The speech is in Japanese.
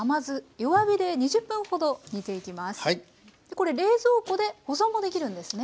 これ冷蔵庫で保存もできるんですね。